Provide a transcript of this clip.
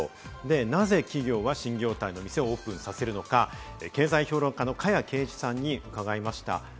なぜ企業は新業態に店をオープンさせるのか、経済評論家・加谷珪一さんに伺いました。